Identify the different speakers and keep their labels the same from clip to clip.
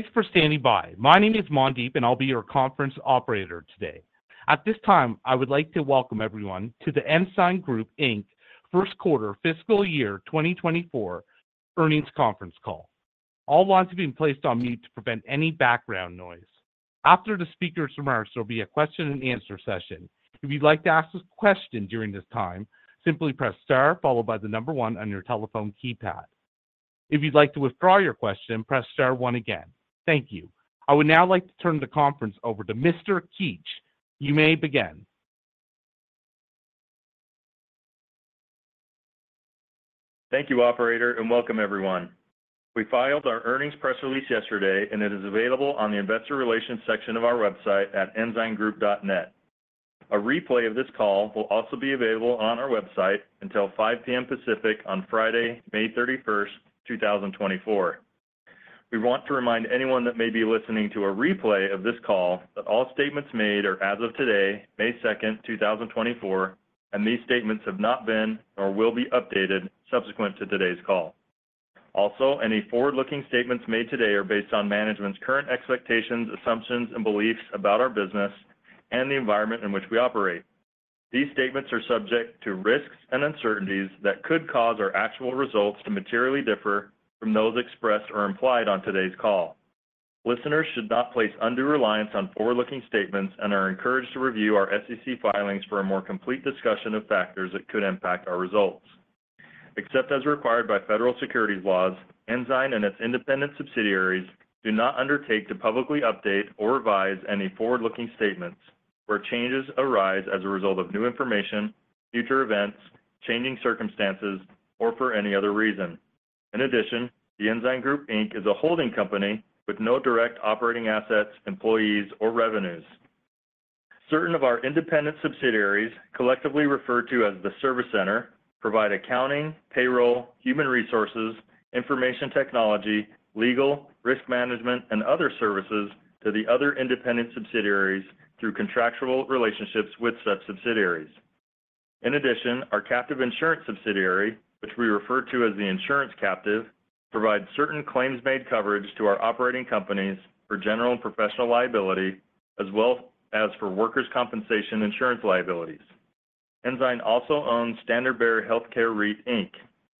Speaker 1: Thanks for standing by. My name is Mandeep, and I'll be your conference operator today. At this time, I would like to welcome everyone to The Ensign Group, Inc. First Quarter Fiscal Year 2024 Earnings Conference Call. All lines have been placed on mute to prevent any background noise. After the speakers' remarks, there'll be a question and answer session. If you'd like to ask a question during this time, simply press Star followed by the number one on your telephone keypad. If you'd like to withdraw your question, press Star one again. Thank you. I would now like to turn the conference over to Mr. Keetch. You may begin.
Speaker 2: Thank you, operator, and welcome everyone. We filed our earnings press release yesterday, and it is available on the investor relations section of our website at ensigngroup.net. A replay of this call will also be available on our website until 5 P.M. Pacific on Friday, May 31, 2024. We want to remind anyone that may be listening to a replay of this call that all statements made are as of today, May 2, 2024, and these statements have not been or will be updated subsequent to today's call. Also, any forward-looking statements made today are based on management's current expectations, assumptions, and beliefs about our business and the environment in which we operate. These statements are subject to risks and uncertainties that could cause our actual results to materially differ from those expressed or implied on today's call. Listeners should not place undue reliance on forward-looking statements and are encouraged to review our SEC filings for a more complete discussion of factors that could impact our results. Except as required by federal securities laws, Ensign and its independent subsidiaries do not undertake to publicly update or revise any forward-looking statements where changes arise as a result of new information, future events, changing circumstances, or for any other reason. In addition, The Ensign Group, Inc. is a holding company with no direct operating assets, employees, or revenues. Certain of our independent subsidiaries, collectively referred to as the Service Center, provide accounting, payroll, human resources, information technology, legal, risk management, and other services to the other independent subsidiaries through contractual relationships with such subsidiaries. In addition, our captive insurance subsidiary, which we refer to as the insurance captive, provides certain claims-made coverage to our operating companies for general and professional liability, as well as for workers' compensation insurance liabilities. Ensign also owns Standard Bearer Healthcare REIT, Inc.,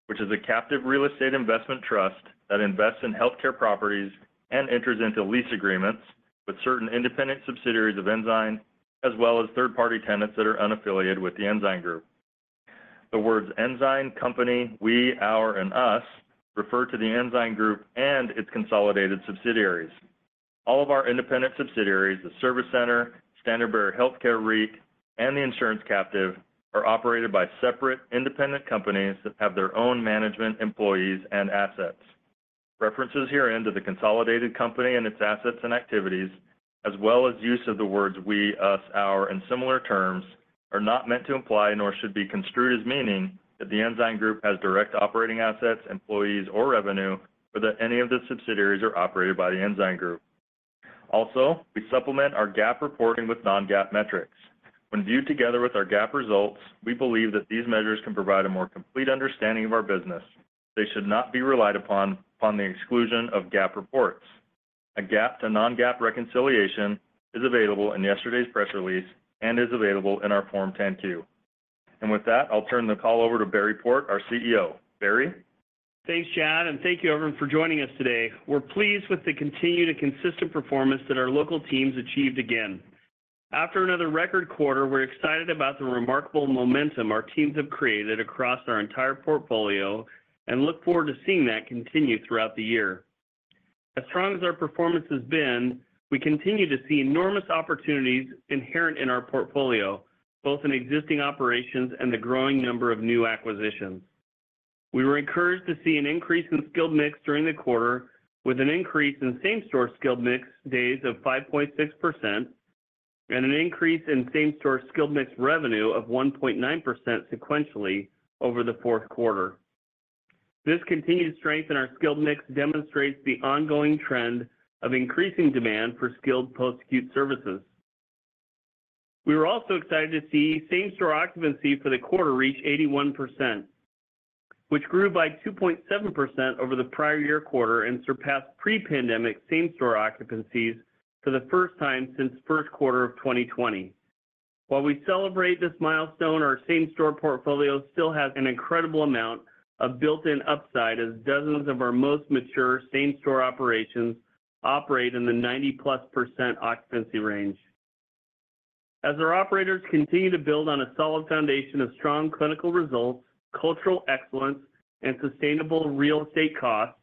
Speaker 2: which is a captive real estate investment trust that invests in healthcare properties and enters into lease agreements with certain independent subsidiaries of Ensign, as well as third-party tenants that are unaffiliated with the Ensign Group. The words Ensign, company, we, our, and us refer to the Ensign Group and its consolidated subsidiaries. All of our independent subsidiaries, the Service Center, Standard Bearer Healthcare REIT, and the insurance captive, are operated by separate independent companies that have their own management, employees, and assets. References herein to the consolidated company and its assets and activities, as well as use of the words we, us, our, and similar terms, are not meant to imply, nor should be construed as meaning, that The Ensign Group has direct operating assets, employees, or revenue, or that any of the subsidiaries are operated by The Ensign Group. Also, we supplement our GAAP reporting with non-GAAP metrics. When viewed together with our GAAP results, we believe that these measures can provide a more complete understanding of our business. They should not be relied upon the exclusion of GAAP reports. A GAAP to non-GAAP reconciliation is available in yesterday's press release and is available in our Form 10-Q. With that, I'll turn the call over to Barry Port, our CEO. Barry?
Speaker 3: Thanks, Chad, and thank you, everyone, for joining us today. We're pleased with the continued and consistent performance that our local teams achieved again. After another record quarter, we're excited about the remarkable momentum our teams have created across our entire portfolio and look forward to seeing that continue throughout the year. As strong as our performance has been, we continue to see enormous opportunities inherent in our portfolio, both in existing operations and the growing number of new acquisitions. We were encouraged to see an increase in skilled mix during the quarter, with an increase in same-store skilled mix days of 5.6% and an increase in same-store skilled mix revenue of 1.9% sequentially over the fourth quarter. This continued strength in our skilled mix demonstrates the ongoing trend of increasing demand for skilled post-acute services. We were also excited to see same-store occupancy for the quarter reach 81%, which grew by 2.7% over the prior year quarter and surpassed pre-pandemic same-store occupancies for the first time since first quarter of 2020. While we celebrate this milestone, our same-store portfolio still has an incredible amount of built-in upside, as dozens of our most mature same-store operations operate in the 90%+ occupancy range. As our operators continue to build on a solid foundation of strong clinical results, cultural excellence, and sustainable real estate costs,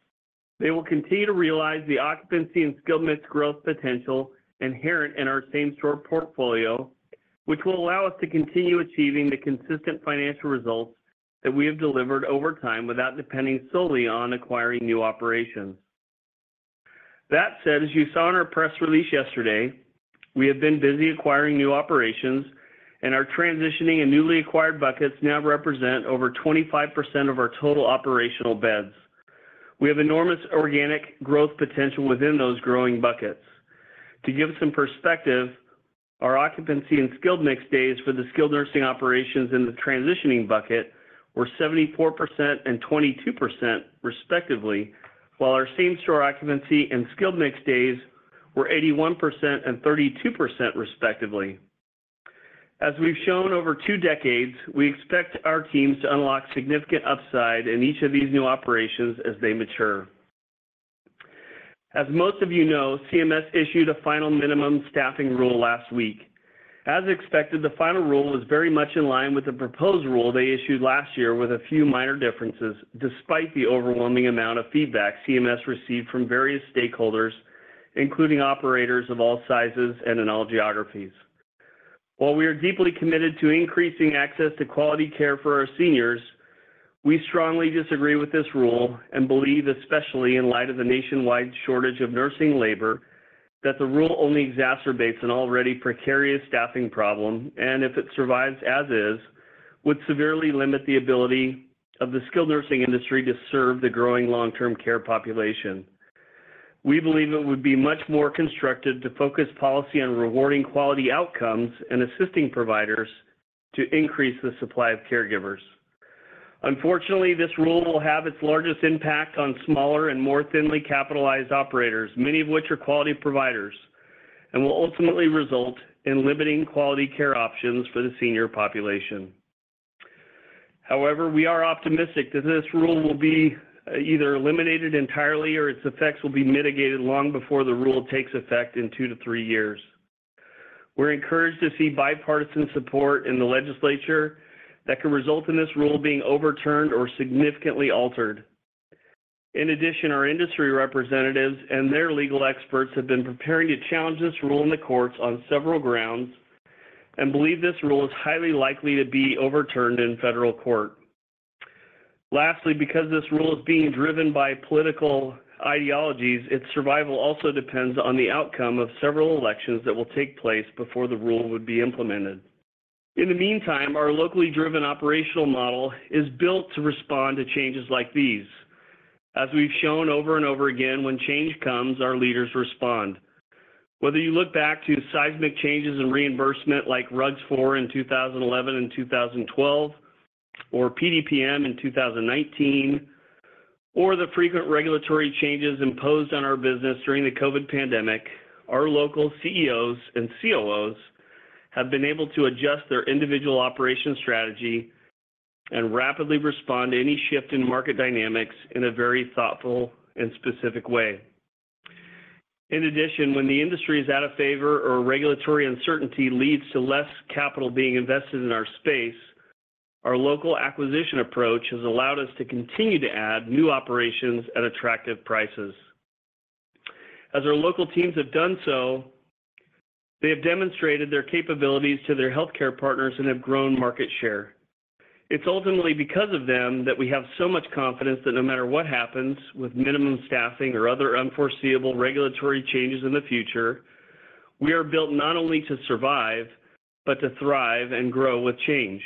Speaker 3: they will continue to realize the occupancy and skilled mix growth potential inherent in our same-store portfolio, which will allow us to continue achieving the consistent financial results that we have delivered over time without depending solely on acquiring new operations. That said, as you saw in our press release yesterday, we have been busy acquiring new operations, and our transitioning and newly acquired buckets now represent over 25% of our total operational beds. We have enormous organic growth potential within those growing buckets.... To give some perspective, our occupancy and skilled mix days for the skilled nursing operations in the transitioning bucket were 74% and 22% respectively, while our same-store occupancy and skilled mix days were 81% and 32% respectively. As we've shown over two decades, we expect our teams to unlock significant upside in each of these new operations as they mature. As most of you know, CMS issued a final minimum staffing rule last week. As expected, the final rule was very much in line with the proposed rule they issued last year, with a few minor differences, despite the overwhelming amount of feedback CMS received from various stakeholders, including operators of all sizes and in all geographies. While we are deeply committed to increasing access to quality care for our seniors, we strongly disagree with this rule and believe, especially in light of the nationwide shortage of nursing labor, that the rule only exacerbates an already precarious staffing problem, and if it survives, as is, would severely limit the ability of the skilled nursing industry to serve the growing long-term care population. We believe it would be much more constructive to focus policy on rewarding quality outcomes and assisting providers to increase the supply of caregivers. Unfortunately, this rule will have its largest impact on smaller and more thinly capitalized operators, many of which are quality providers, and will ultimately result in limiting quality care options for the senior population. However, we are optimistic that this rule will be either eliminated entirely or its effects will be mitigated long before the rule takes effect in 2-3 years. We're encouraged to see bipartisan support in the legislature that could result in this rule being overturned or significantly altered. In addition, our industry representatives and their legal experts have been preparing to challenge this rule in the courts on several grounds and believe this rule is highly likely to be overturned in federal court. Lastly, because this rule is being driven by political ideologies, its survival also depends on the outcome of several elections that will take place before the rule would be implemented. In the meantime, our locally driven operational model is built to respond to changes like these. As we've shown over and over again, when change comes, our leaders respond. Whether you look back to seismic changes in reimbursement, like RUG-IV in 2011 and 2012, or PDPM in 2019, or the frequent regulatory changes imposed on our business during the COVID pandemic, our local CEOs and COOs have been able to adjust their individual operation strategy and rapidly respond to any shift in market dynamics in a very thoughtful and specific way. In addition, when the industry is out of favor or regulatory uncertainty leads to less capital being invested in our space, our local acquisition approach has allowed us to continue to add new operations at attractive prices. As our local teams have done so, they have demonstrated their capabilities to their healthcare partners and have grown market share. It's ultimately because of them that we have so much confidence that no matter what happens with minimum staffing or other unforeseeable regulatory changes in the future, we are built not only to survive, but to thrive and grow with change.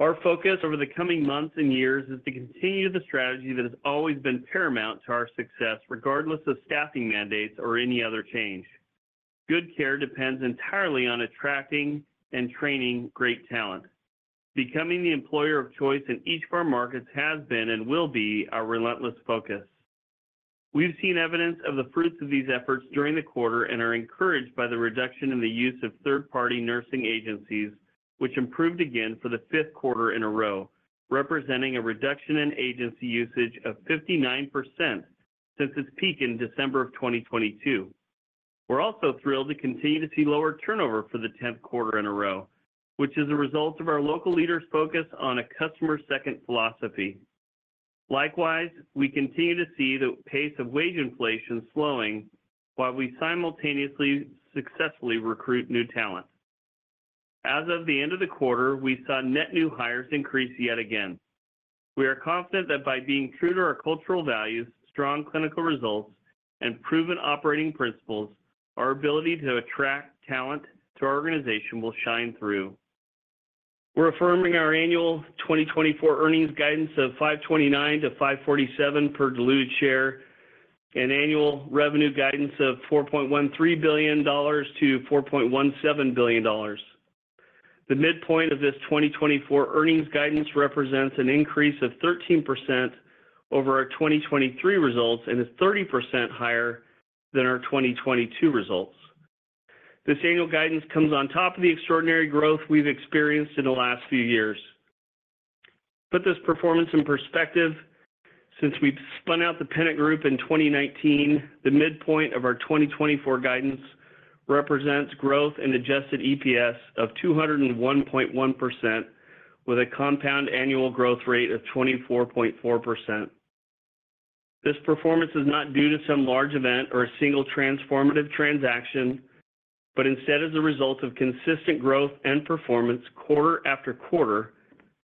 Speaker 3: Our focus over the coming months and years is to continue the strategy that has always been paramount to our success, regardless of staffing mandates or any other change. Good care depends entirely on attracting and training great talent. Becoming the employer of choice in each of our markets has been and will be our relentless focus. We've seen evidence of the fruits of these efforts during the quarter and are encouraged by the reduction in the use of third-party nursing agencies, which improved again for the fifth quarter in a row, representing a reduction in agency usage of 59% since its peak in December of 2022. We're also thrilled to continue to see lower turnover for the tenth quarter in a row, which is a result of our local leaders' focus on a customer-second philosophy. Likewise, we continue to see the pace of wage inflation slowing while we simultaneously successfully recruit new talent. As of the end of the quarter, we saw net new hires increase yet again. We are confident that by being true to our cultural values, strong clinical results, and proven operating principles, our ability to attract talent to our organization will shine through. We're affirming our annual 2024 earnings guidance of 529-547 per diluted share, and annual revenue guidance of $4.13 billion-$4.17 billion. The midpoint of this 2024 earnings guidance represents an increase of 13% over our 2023 results and is 30% higher than our 2022 results. This annual guidance comes on top of the extraordinary growth we've experienced in the last few years. To put this performance in perspective, since we spun out the Pennant Group in 2019, the midpoint of our 2024 guidance represents growth in adjusted EPS of 201.1%, with a compound annual growth rate of 24.4%. This performance is not due to some large event or a single transformative transaction, but instead, is a result of consistent growth and performance quarter after quarter,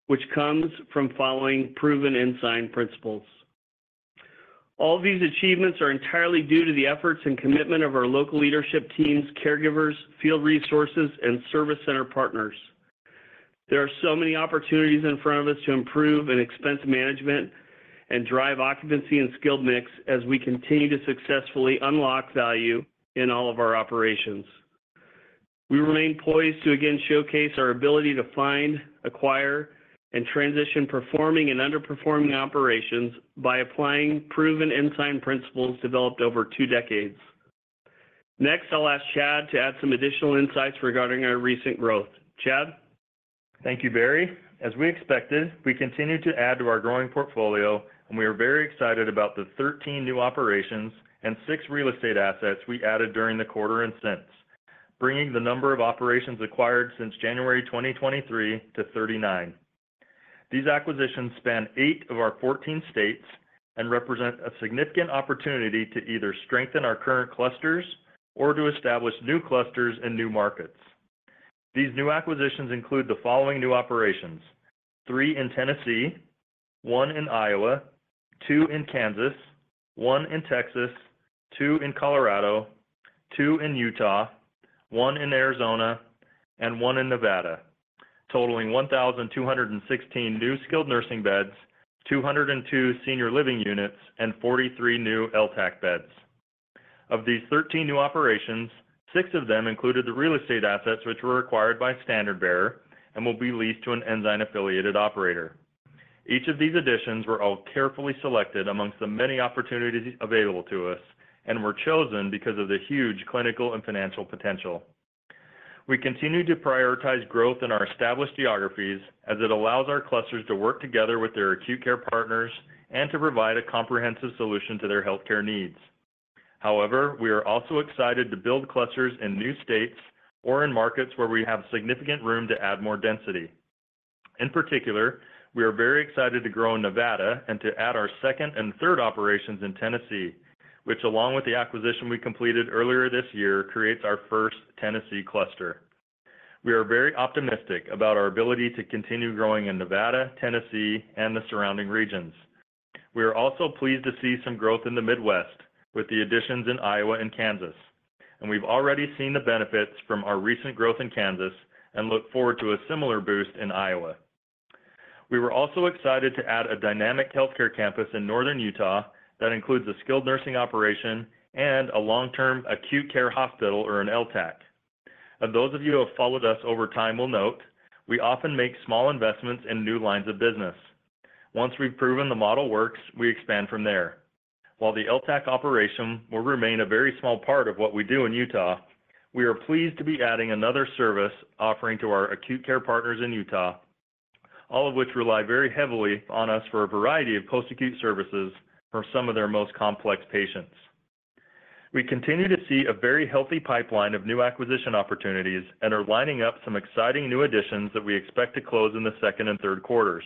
Speaker 3: which comes from following proven Ensign principles. All these achievements are entirely due to the efforts and commitment of our local leadership teams, caregivers, field resources, and Service Center partners.... There are so many opportunities in front of us to improve in expense management and drive occupancy and skilled mix as we continue to successfully unlock value in all of our operations. We remain poised to again showcase our ability to find, acquire, and transition performing and underperforming operations by applying proven Ensign principles developed over two decades. Next, I'll ask Chad to add some additional insights regarding our recent growth. Chad?
Speaker 2: Thank you, Barry. As we expected, we continued to add to our growing portfolio, and we are very excited about the 13 new operations and six real estate assets we added during the quarter and since, bringing the number of operations acquired since January 2023 to 39. These acquisitions span eight of our 14 states and represent a significant opportunity to either strengthen our current clusters or to establish new clusters in new markets. These new acquisitions include the following new operations: three in Tennessee, one in Iowa, two in Kansas, one in Texas, two in Colorado, two in Utah, one in Arizona, and one in Nevada, totaling 1,216 new skilled nursing beds, 202 senior living units, and 43 new LTAC beds. Of these 13 new operations, 6 of them included the real estate assets, which were acquired by Standard Bearer and will be leased to an Ensign-affiliated operator. Each of these additions were all carefully selected amongst the many opportunities available to us and were chosen because of the huge clinical and financial potential. We continue to prioritize growth in our established geographies as it allows our clusters to work together with their acute care partners and to provide a comprehensive solution to their healthcare needs. However, we are also excited to build clusters in new states or in markets where we have significant room to add more density. In particular, we are very excited to grow in Nevada and to add our second and third operations in Tennessee, which, along with the acquisition we completed earlier this year, creates our first Tennessee cluster. We are very optimistic about our ability to continue growing in Nevada, Tennessee, and the surrounding regions. We are also pleased to see some growth in the Midwest with the additions in Iowa and Kansas, and we've already seen the benefits from our recent growth in Kansas and look forward to a similar boost in Iowa. We were also excited to add a dynamic healthcare campus in northern Utah that includes a skilled nursing operation and a long-term acute care hospital, or an LTAC. Those of you who have followed us over time will note, we often make small investments in new lines of business. Once we've proven the model works, we expand from there. While the LTAC operation will remain a very small part of what we do in Utah, we are pleased to be adding another service offering to our acute care partners in Utah, all of which rely very heavily on us for a variety of post-acute services for some of their most complex patients. We continue to see a very healthy pipeline of new acquisition opportunities and are lining up some exciting new additions that we expect to close in the second and third quarters.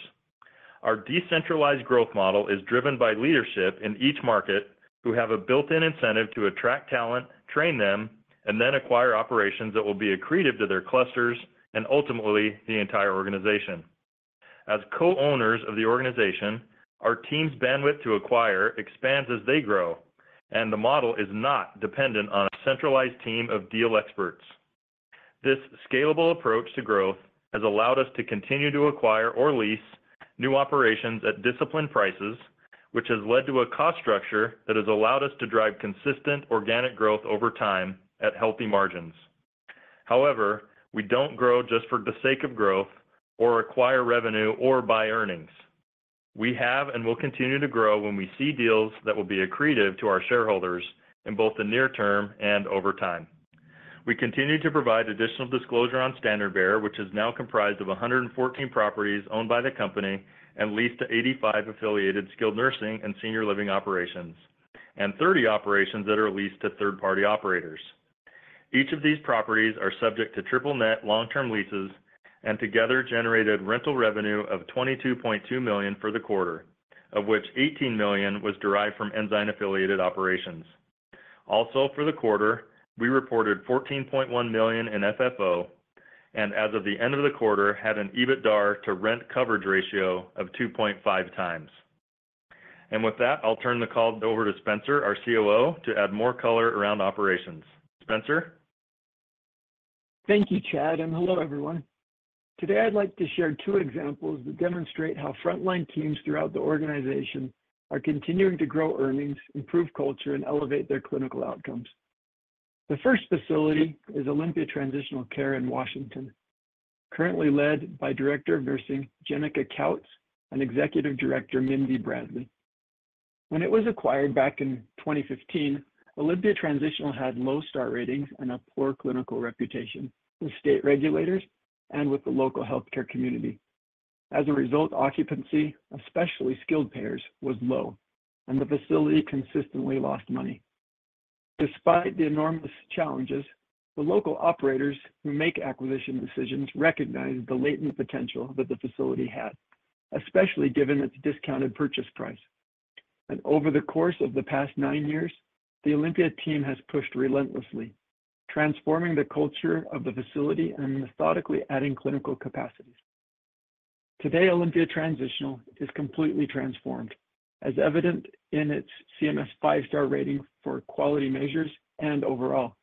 Speaker 2: Our decentralized growth model is driven by leadership in each market, who have a built-in incentive to attract talent, train them, and then acquire operations that will be accretive to their clusters and ultimately the entire organization. As co-owners of the organization, our team's bandwidth to acquire expands as they grow, and the model is not dependent on a centralized team of deal experts. This scalable approach to growth has allowed us to continue to acquire or lease new operations at disciplined prices, which has led to a cost structure that has allowed us to drive consistent organic growth over time at healthy margins. However, we don't grow just for the sake of growth or acquire revenue or buy earnings. We have and will continue to grow when we see deals that will be accretive to our shareholders in both the near term and over time. We continue to provide additional disclosure on Standard Bearer, which is now comprised of 114 properties owned by the company and leased to 85 affiliated skilled nursing and senior living operations, and 30 operations that are leased to third-party operators. Each of these properties are subject to triple net long-term leases and together generated rental revenue of $22.2 million for the quarter, of which $18 million was derived from Ensign affiliated operations. Also, for the quarter, we reported $14.1 million in FFO, and as of the end of the quarter, had an EBITDAR to rent coverage ratio of 2.5 times. And with that, I'll turn the call over to Spencer, our COO, to add more color around operations. Spencer?
Speaker 4: Thank you, Chad, and hello, everyone. Today, I'd like to share two examples that demonstrate how frontline teams throughout the organization are continuing to grow earnings, improve culture, and elevate their clinical outcomes. The first facility is Olympia Transitional Care in Washington, currently led by Director of Nursing, Jenica Kautz, and Executive Director, Mindy Bradley. When it was acquired back in 2015, Olympia Transitional had low star ratings and a poor clinical reputation with state regulators and with the local healthcare community. As a result, occupancy, especially skilled payers, was low, and the facility consistently lost money. Despite the enormous challenges, the local operators who make acquisition decisions recognized the latent potential that the facility had, especially given its discounted purchase price. Over the course of the past nine years, the Olympia team has pushed relentlessly, transforming the culture of the facility and methodically adding clinical capacities.... Today, Olympia Transitional Care is completely transformed, as evident in its CMS five-star rating for quality measures and overall.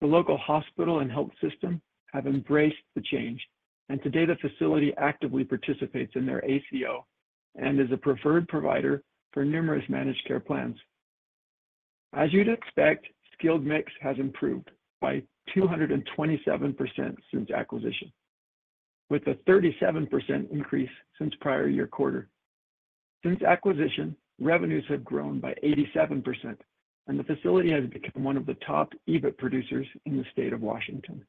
Speaker 4: The local hospital and health system have embraced the change, and today, the facility actively participates in their ACO and is a preferred provider for numerous managed care plans. As you'd expect, skilled mix has improved by 227% since acquisition, with a 37% increase since prior year quarter. Since acquisition, revenues have grown by 87%, and the facility has become one of the top EBIT producers in the state of Washington.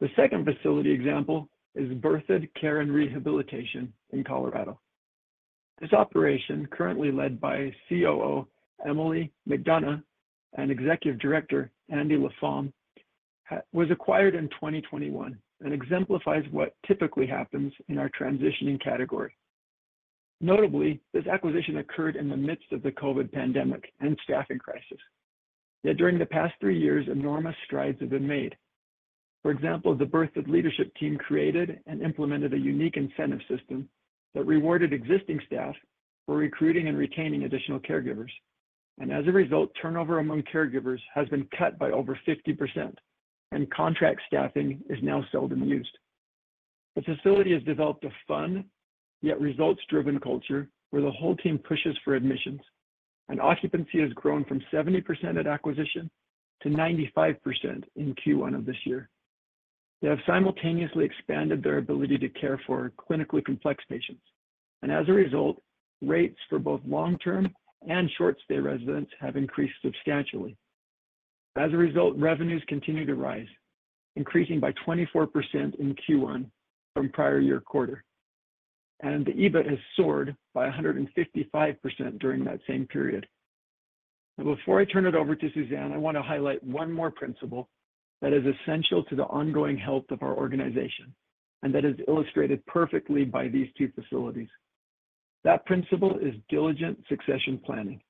Speaker 4: The second facility example is Berthoud Care and Rehabilitation in Colorado. This operation, currently led by COO Emily McDonough and Executive Director Andy LaFond, was acquired in 2021 and exemplifies what typically happens in our transitioning category. Notably, this acquisition occurred in the midst of the COVID pandemic and staffing crisis. Yet during the past three years, enormous strides have been made. For example, the Berthoud leadership team created and implemented a unique incentive system that rewarded existing staff for recruiting and retaining additional caregivers. As a result, turnover among caregivers has been cut by over 50%, and contract staffing is now seldom used. The facility has developed a fun, yet results-driven culture, where the whole team pushes for admissions. Occupancy has grown from 70% at acquisition to 95% in Q1 of this year. They have simultaneously expanded their ability to care for clinically complex patients, and as a result, rates for both long-term and short-stay residents have increased substantially. As a result, revenues continue to rise, increasing by 24% in Q1 from prior-year quarter, and the EBIT has soared by 155% during that same period. Before I turn it over to Suzanne, I wanna highlight one more principle that is essential to the ongoing health of our organization, and that is illustrated perfectly by these two facilities. That principle is diligent succession planning.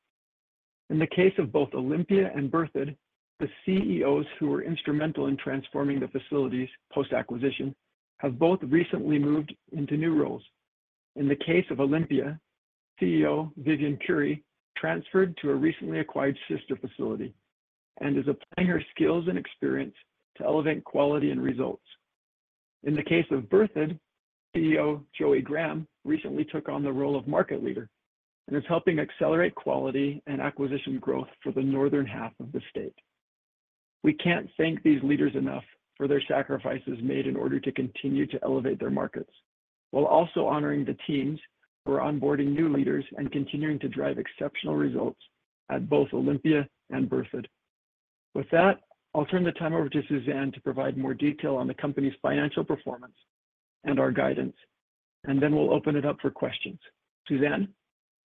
Speaker 4: In the case of both Olympia and Berthoud, the CEOs who were instrumental in transforming the facilities post-acquisition, have both recently moved into new roles. In the case of Olympia, CEO Vivian Currie transferred to a recently acquired sister facility and is applying her skills and experience to elevate quality and results. In the case of Berthoud, CEO Joey Graham recently took on the role of market leader and is helping accelerate quality and acquisition growth for the northern half of the state. We can't thank these leaders enough for their sacrifices made in order to continue to elevate their markets, while also honoring the teams who are onboarding new leaders and continuing to drive exceptional results at both Olympia and Berthoud. With that, I'll turn the time over to Suzanne to provide more detail on the company's financial performance and our guidance, and then we'll open it up for questions. Suzanne?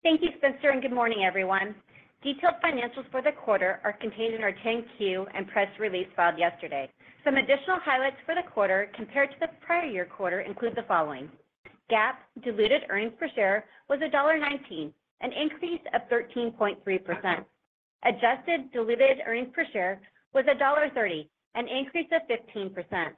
Speaker 5: Thank you, Spencer, and good morning, everyone. Detailed financials for the quarter are contained in our 10-Q and press release filed yesterday. Some additional highlights for the quarter compared to the prior year quarter include the following: GAAP diluted earnings per share was $1.19, an increase of 13.3%. Adjusted diluted earnings per share was $1.30, an increase of 15%.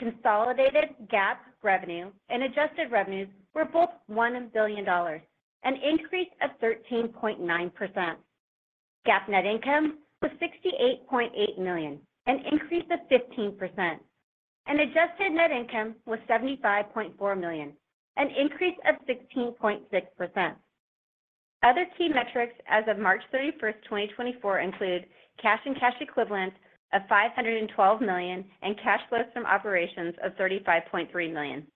Speaker 5: Consolidated GAAP revenue and adjusted revenues were both $1 billion, an increase of 13.9%. GAAP net income was $68.8 million, an increase of 15%, and adjusted net income was $75.4 million, an increase of 16.6%. Other key metrics as of March 31, 2024, include cash and cash equivalents of $512 million, and cash flows from operations of $35.3 million.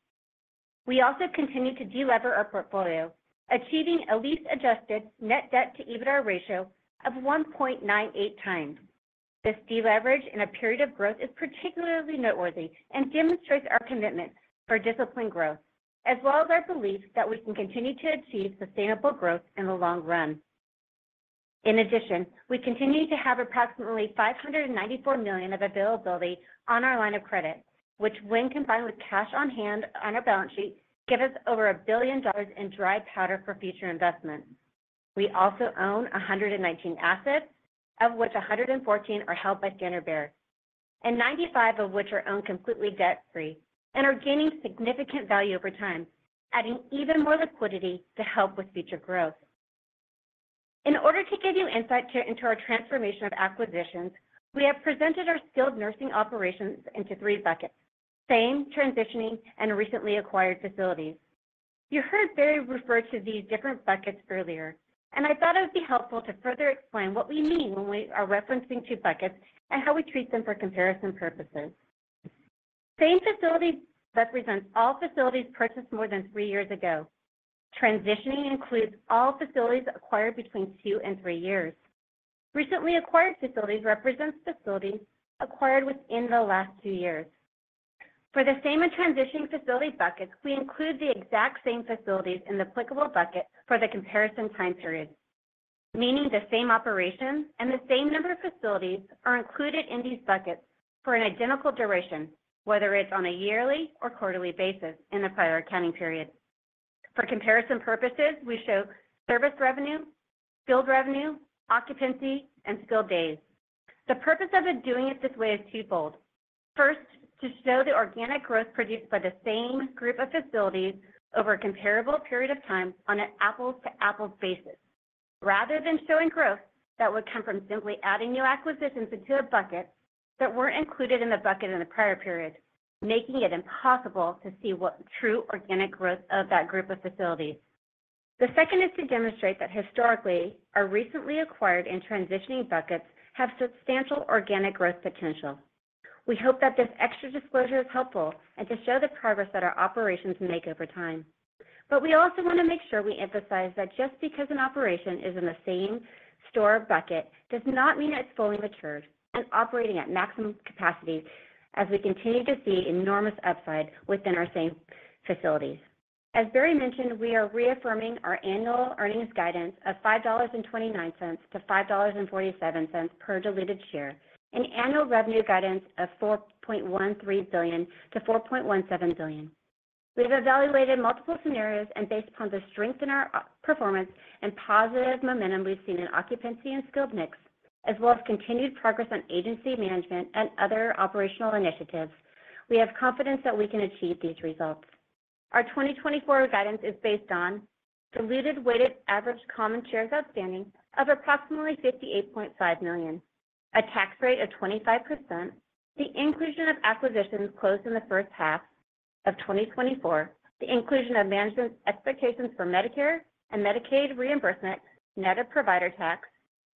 Speaker 5: We also continue to delever our portfolio, achieving a lease-adjusted net debt to EBITDA ratio of 1.98 times. This deleverage in a period of growth is particularly noteworthy and demonstrates our commitment for disciplined growth, as well as our belief that we can continue to achieve sustainable growth in the long run. In addition, we continue to have approximately $594 million of availability on our line of credit, which, when combined with cash on hand on our balance sheet, give us over $1 billion in dry powder for future investments. We also own 119 assets, of which 114 are held by Standard Bearer, and 95 of which are owned completely debt-free and are gaining significant value over time, adding even more liquidity to help with future growth. In order to give you insight into our transformation of acquisitions, we have presented our skilled nursing operations into three buckets: same, transitioning, and recently acquired facilities. You heard Barry refer to these different buckets earlier, and I thought it would be helpful to further explain what we mean when we are referencing to buckets and how we treat them for comparison purposes. Same facilities represents all facilities purchased more than three years ago. Transitioning includes all facilities acquired between two and three years. Recently acquired facilities represents facilities acquired within the last two years. For the same and transitioning facilities buckets, we include the exact same facilities in the applicable bucket for the comparison time period, meaning the same operations and the same number of facilities are included in these buckets for an identical duration, whether it's on a yearly or quarterly basis in the prior accounting period. For comparison purposes, we show service revenue, skilled revenue, occupancy, and skilled days. The purpose of it doing it this way is twofold. First, to show the organic growth produced by the same group of facilities over a comparable period of time on an apples-to-apples basis, rather than showing growth that would come from simply adding new acquisitions into a bucket that weren't included in the bucket in the prior period, making it impossible to see what true organic growth of that group of facilities. The second is to demonstrate that historically, our recently acquired and transitioning buckets have substantial organic growth potential. We hope that this extra disclosure is helpful and to show the progress that our operations make over time. But we also wanna make sure we emphasize that just because an operation is in the same store bucket, does not mean it's fully matured and operating at maximum capacity as we continue to see enormous upside within our same facilities. As Barry mentioned, we are reaffirming our annual earnings guidance of $5.29-$5.47 per diluted share, and annual revenue guidance of $4.13 billion-$4.17 billion. We've evaluated multiple scenarios, and based upon the strength in our performance and positive momentum we've seen in occupancy and skilled mix, as well as continued progress on agency management and other operational initiatives, we have confidence that we can achieve these results. Our 2024 guidance is based on diluted weighted average common shares outstanding of approximately 58.5 million, a tax rate of 25%, the inclusion of acquisitions closed in the first half of 2024, the inclusion of management's expectations for Medicare and Medicaid reimbursement, net of provider tax,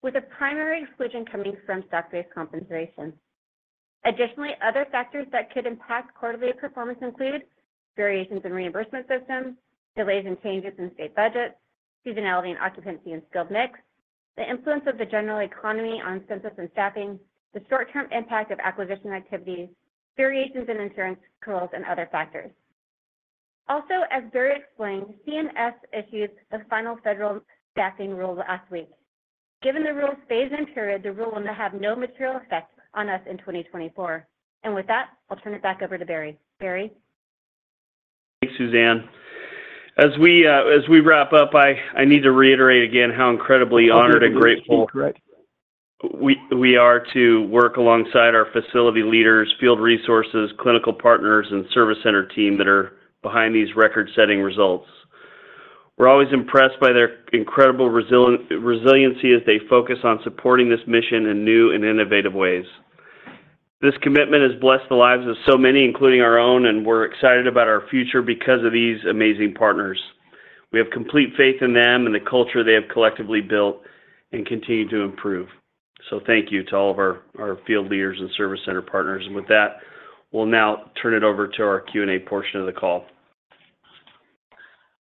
Speaker 5: with a primary exclusion coming from stock-based compensation. Additionally, other factors that could impact quarterly performance include variations in reimbursement systems, delays and changes in state budgets, seasonality and occupancy and skilled mix, the influence of the general economy on census and staffing, the short-term impact of acquisition activities, variations in insurance costs, and other factors. Also, as Barry explained, CMS issued the final federal staffing rule last week. Given the rule's phase-in period, the rule will have no material effect on us in 2024. And with that, I'll turn it back over to Barry. Barry?
Speaker 3: Thanks, Suzanne. As we wrap up, I need to reiterate again how incredibly honored and grateful we are to work alongside our facility leaders, field resources, clinical partners, and Service Center team that are behind these record-setting results. We're always impressed by their incredible resiliency as they focus on supporting this mission in new and innovative ways. This commitment has blessed the lives of so many, including our own, and we're excited about our future because of these amazing partners. We have complete faith in them and the culture they have collectively built and continue to improve. So thank you to all of our field leaders and Service Center partners. And with that, we'll now turn it over to our Q&A portion of the call.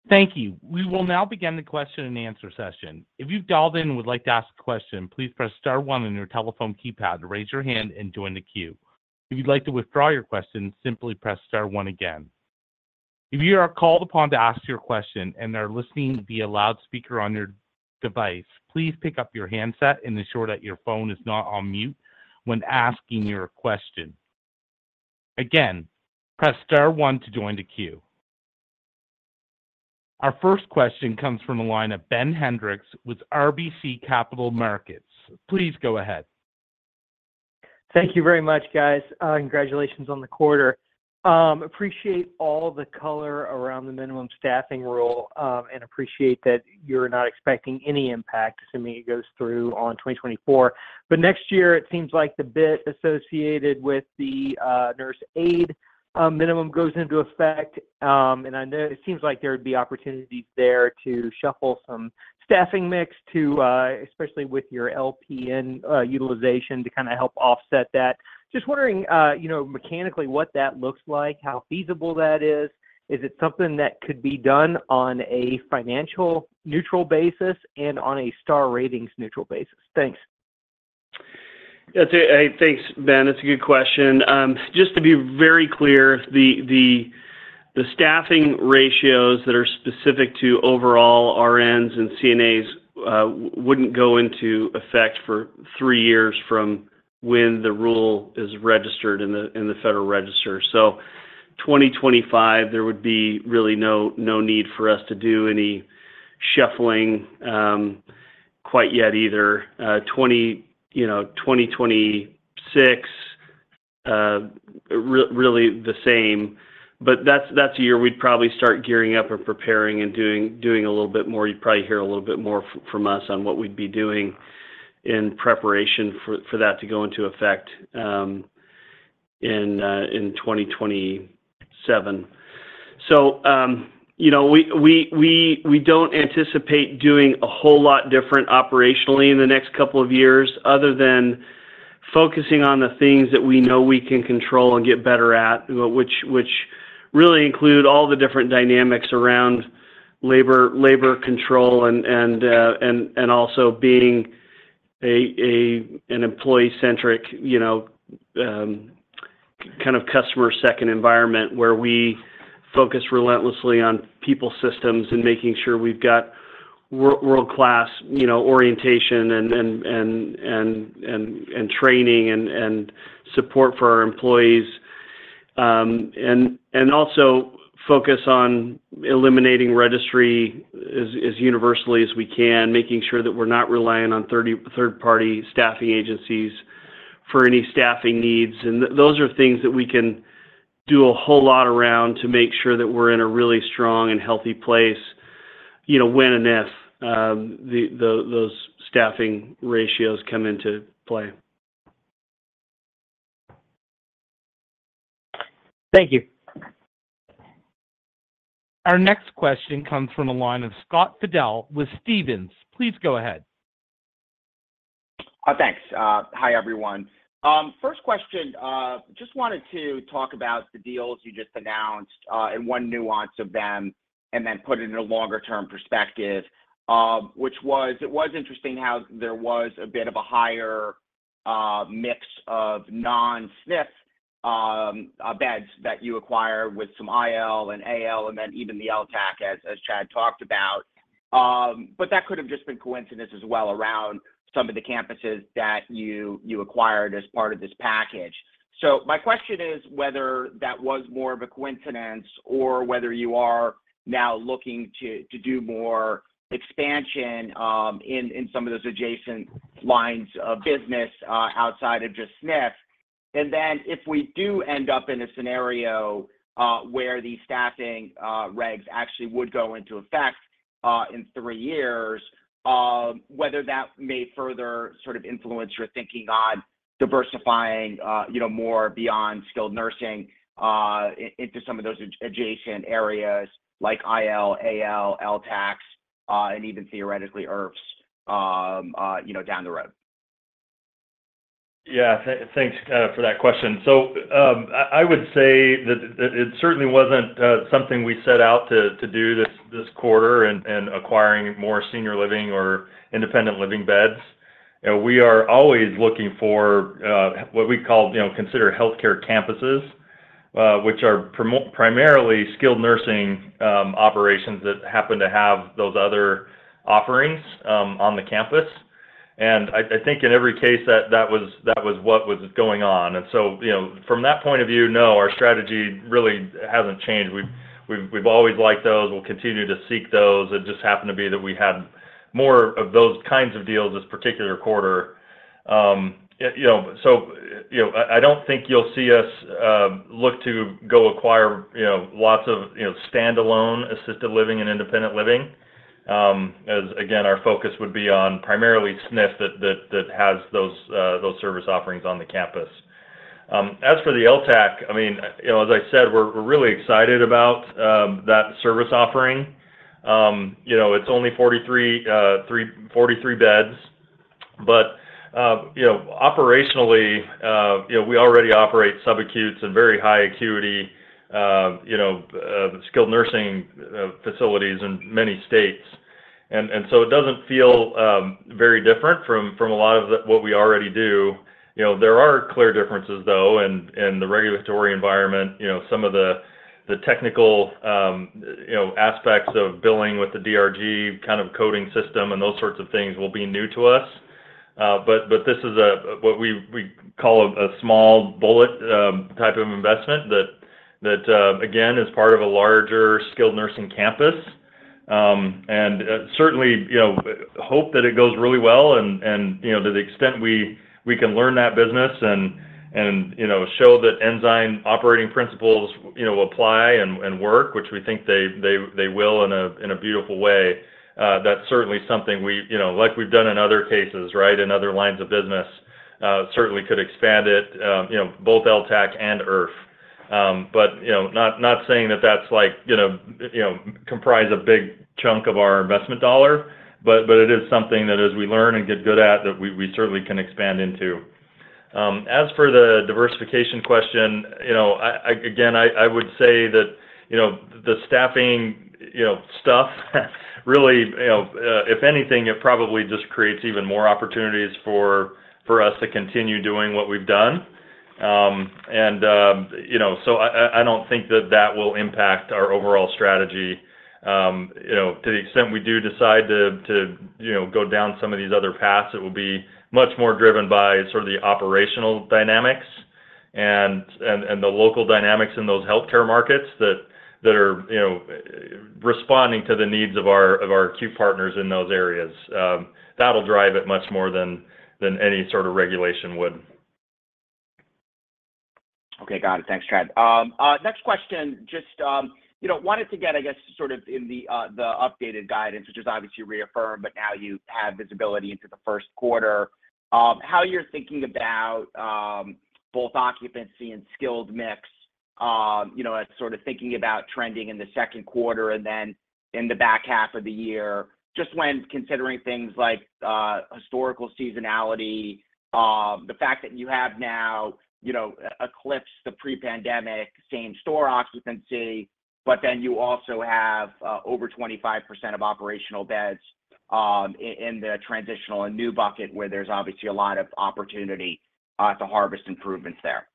Speaker 1: Thank you. We will now begin the question-and-answer session. If you've dialed in and would like to ask a question, please press star one on your telephone keypad to raise your hand and join the queue. If you'd like to withdraw your question, simply press star one again. If you are called upon to ask your question and are listening via loudspeaker on your device, please pick up your handset and ensure that your phone is not on mute when asking your question. Again, press star one to join the queue. Our first question comes from the line of Ben Hendrix with RBC Capital Markets. Please go ahead.
Speaker 6: Thank you very much, guys. Congratulations on the quarter. Appreciate all the color around the minimum staffing rule, and appreciate that you're not expecting any impact assuming it goes through on 2024. But next year, it seems like the bit associated with the nurse aid minimum goes into effect, and I know it seems like there would be opportunities there to shuffle some staffing mix to, especially with your LPN utilization, to kinda help offset that. Just wondering, you know, mechanically, what that looks like, how feasible that is? Is it something that could be done on a financially neutral basis and on a star ratings neutral basis? Thanks.
Speaker 3: That's a good question. Just to be very clear, the staffing ratios that are specific to overall RNs and CNAs wouldn't go into effect for three years from when the rule is registered in the Federal Register. So 2025, there would be really no need for us to do any shuffling quite yet either. Twenty, you know, 2026, really the same, but that's the year we'd probably start gearing up and preparing and doing a little bit more. You'd probably hear a little bit more from us on what we'd be doing in preparation for that to go into effect in 2027. So, you know, we don't anticipate doing a whole lot different operationally in the next couple of years other than focusing on the things that we know we can control and get better at, which really include all the different dynamics around labor control, and also being an employee-centric, you know, kind of customer-second environment, where we focus relentlessly on people systems and making sure we've got world-class, you know, orientation and training and support for our employees. And also focus on eliminating registry as universally as we can, making sure that we're not relying on third-party staffing agencies for any staffing needs. Those are things that we can do a whole lot around to make sure that we're in a really strong and healthy place, you know, when and if those staffing ratios come into play.
Speaker 6: Thank you.
Speaker 1: Our next question comes from the line of Scott Fidel with Stephens. Please go ahead.
Speaker 7: Thanks. Hi, everyone. First question, just wanted to talk about the deals you just announced, and one nuance of them, and then put it in a longer term perspective, it was interesting how there was a bit of a higher mix of non-SNF beds that you acquired with some IL and AL, and then even the LTAC, as Chad talked about. But that could have just been coincidence as well around some of the campuses that you acquired as part of this package. So my question is whether that was more of a coincidence or whether you are now looking to do more expansion in some of those adjacent lines of business outside of just SNF. If we do end up in a scenario where the staffing regs actually would go into effect in three years, whether that may further sort of influence your thinking on diversifying, you know, more beyond skilled nursing into some of those adjacent areas like IL, AL, LTACs, and even theoretically IRFs, you know, down the road?
Speaker 2: Yeah, thanks for that question. So, I would say that it certainly wasn't something we set out to do this quarter, and acquiring more senior living or independent living beds. We are always looking for what we consider healthcare campuses, which are primarily skilled nursing operations that happen to have those other offerings on the campus. And I think in every case, that was what was going on. And so, you know, from that point of view, no, our strategy really hasn't changed. We've always liked those, we'll continue to seek those. It just happened to be that we had more of those kinds of deals this particular quarter. you know, so, you know, I don't think you'll see us look to go acquire, you know, lots of, you know, standalone, assisted living and independent living. As again, our focus would be on primarily SNF that has those service offerings on the campus. As for the LTAC, I mean, you know, as I said, we're really excited about that service offering. You know, it's only 43 beds, but, you know, operationally, you know, we already operate subacute and very high acuity, you know, skilled nursing facilities in many states. And so it doesn't feel very different from a lot of what we already do. You know, there are clear differences, though, in the regulatory environment, you know, some of the technical aspects of billing with the DRG kind of coding system, and those sorts of things will be new to us. But this is what we call a small bolt-on type of investment that again is part of a larger skilled nursing campus. And certainly, you know, hope that it goes really well, and you know, to the extent we can learn that business and you know, show that Ensign operating principles apply and work, which we think they will in a beautiful way. That's certainly something we, you know, like we've done in other cases, right, in other lines of business, certainly could expand it, you know, both LTAC and IRF. But, you know, not, not saying that that's like, you know, you know, comprise a big chunk of our investment dollar, but, but it is something that as we learn and get good at, that we, we certainly can expand into. As for the diversification question, you know, I, I, again, I, I would say that, you know, the staffing, you know, stuff, really, you know, if anything, it probably just creates even more opportunities for, for us to continue doing what we've done. And, you know, so I, I, I don't think that, that will impact our overall strategy. You know, to the extent we do decide to go down some of these other paths, it will be much more driven by sort of the operational dynamics and the local dynamics in those healthcare markets that are responding to the needs of our acute partners in those areas. That'll drive it much more than any sort of regulation would.
Speaker 7: Okay, got it. Thanks, Chad. Next question, just, you know, wanted to get, I guess, sort of in the, the updated guidance, which is obviously reaffirmed, but now you have visibility into the first quarter. How you're thinking about, both occupancy and skilled mix, you know, as sort of thinking about trending in the second quarter and then in the back half of the year. Just when considering things like, historical seasonality, the fact that you have now, you know, eclipsed the pre-pandemic, same store occupancy, but then you also have, over 25% of operational beds, in the transitional and new bucket, where there's obviously a lot of opportunity, to harvest improvements there?...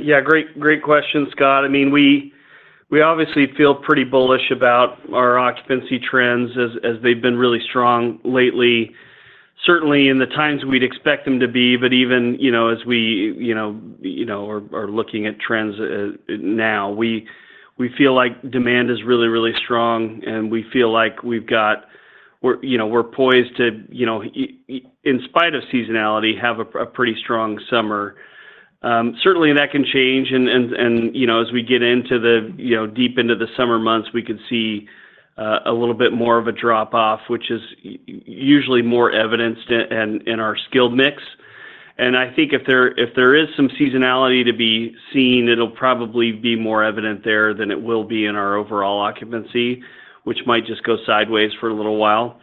Speaker 3: yeah, great, great question, Scott. I mean, we obviously feel pretty bullish about our occupancy trends as they've been really strong lately, certainly in the times we'd expect them to be. But even, you know, as we, you know, you know, are looking at trends now, we feel like demand is really, really strong, and we feel like we've got, we're, you know, we're poised to, you know, in spite of seasonality, have a pretty strong summer. Certainly, that can change, and, and, and, you know, as we get into the, you know, deep into the summer months, we could see a little bit more of a drop-off, which is usually more evidenced in our skilled mix. I think if there is some seasonality to be seen, it'll probably be more evident there than it will be in our overall occupancy, which might just go sideways for a little while.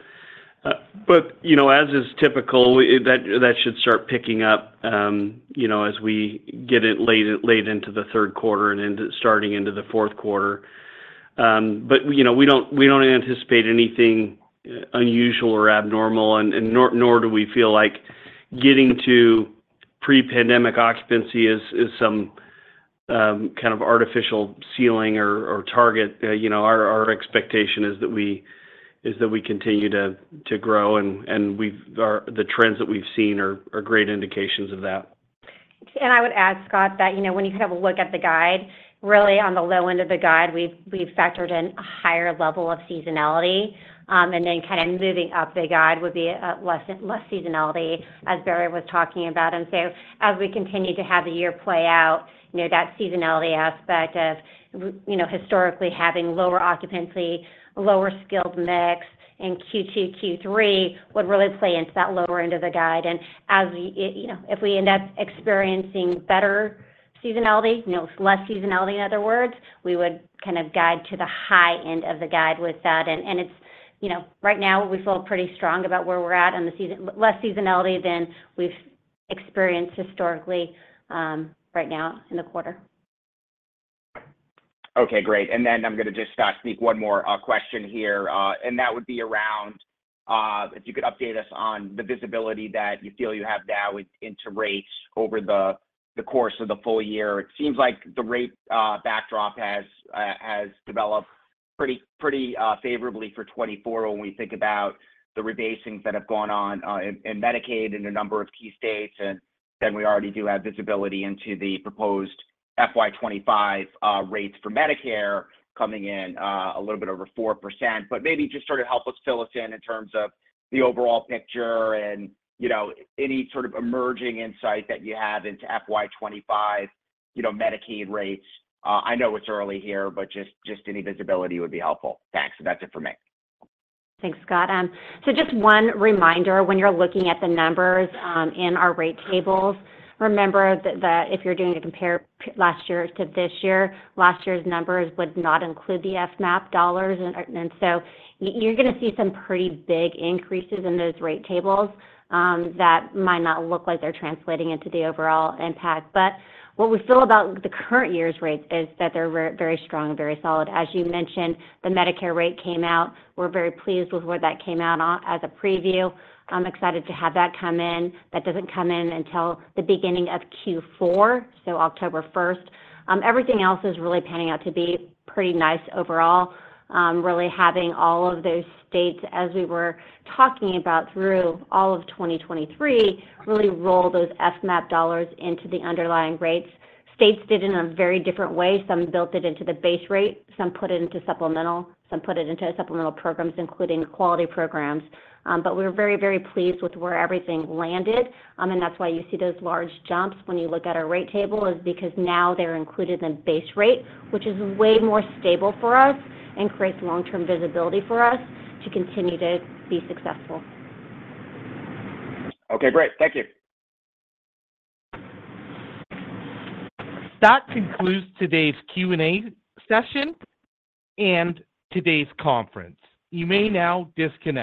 Speaker 3: But you know, as is typical, that should start picking up, you know, as we get late into the third quarter and into the fourth quarter. But you know, we don't anticipate anything unusual or abnormal, and nor do we feel like getting to pre-pandemic occupancy is some kind of artificial ceiling or target. You know, our expectation is that we continue to grow, and we've. The trends that we've seen are great indications of that.
Speaker 5: And I would add, Scott, that, you know, when you have a look at the guide, really on the low end of the guide, we've factored in a higher level of seasonality. And then kind of moving up the guide would be less seasonality, as Barry was talking about. And so as we continue to have the year play out, you know, that seasonality aspect of, you know, historically, having lower occupancy, lower skilled mix, and Q2, Q3 would really play into that lower end of the guide. And as you know, if we end up experiencing better seasonality, you know, less seasonality, in other words, we would kind of guide to the high end of the guide with that. And it's, you know, right now, we feel pretty strong about where we're at on the season... Less seasonality than we've experienced historically, right now in the quarter.
Speaker 7: Okay, great. And then I'm gonna just sneak one more question here. And that would be around if you could update us on the visibility that you feel you have now with into rates over the course of the full year. It seems like the rate backdrop has developed pretty, pretty, favorably for 2024 when we think about the rebasing that have gone on in Medicaid in a number of key states. And then we already do have visibility into the proposed FY 2025 rates for Medicare coming in a little bit over 4%. But maybe just sort of help us fill us in in terms of the overall picture and, you know, any sort of emerging insight that you have into FY 2025, you know, Medicaid rates. I know it's early here, but just, just any visibility would be helpful. Thanks, and that's it for me.
Speaker 5: Thanks, Scott. So just one reminder, when you're looking at the numbers in our rate tables, remember that if you're doing a compare last year to this year, last year's numbers would not include the FMAP dollars. And so you're gonna see some pretty big increases in those rate tables that might not look like they're translating into the overall impact. But what we feel about the current year's rates is that they're very strong and very solid. As you mentioned, the Medicare rate came out. We're very pleased with where that came out on as a preview. I'm excited to have that come in. That doesn't come in until the beginning of Q4, so October first. Everything else is really panning out to be pretty nice overall. Really having all of those states, as we were talking about through all of 2023, really roll those FMAP dollars into the underlying rates. States did it in a very different way. Some built it into the base rate, some put it into supplemental, some put it into supplemental programs, including quality programs. But we're very, very pleased with where everything landed. And that's why you see those large jumps when you look at our rate table is because now they're included in base rate, which is way more stable for us and creates long-term visibility for us to continue to be successful.
Speaker 7: Okay, great. Thank you.
Speaker 1: That concludes today's Q&A session and today's conference. You may now disconnect.